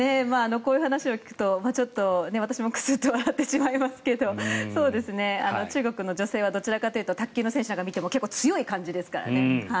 こういう話を聞くとちょっと私もクスッと笑ってしまいますけど中国の女性はどちらかというと卓球の選手なんか見ても結構、強い感じですからね。